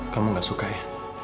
kamu gak suka ya